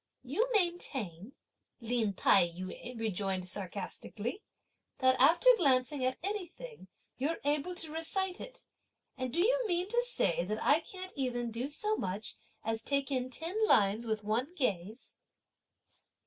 "You maintain," Lin Tai yü rejoined sarcastically, "that after glancing at anything you're able to recite it; and do you mean to say that I can't even do so much as take in ten lines with one gaze?"